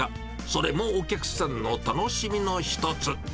それもお客さんの楽しみの一つ。